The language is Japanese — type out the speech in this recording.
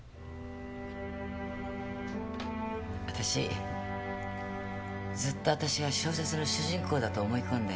あたしずっとあたしが小説の主人公だと思い込んで。